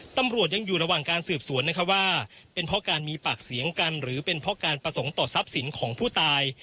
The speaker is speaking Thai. ตำรวจยังอยู่ระหว่างการสืบสวนนะคะว่าเป็นเพราะการมีปากเสียงกันหรือเป็นเพราะการประสงค์ต่อทรัพย์สินของผู้ตาย